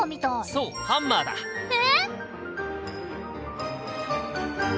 そうハンマーだ。え？